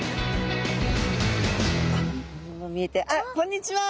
あっこんにちは！